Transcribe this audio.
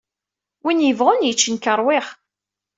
Win yebɣun yečč. Nekk ṛwiɣ.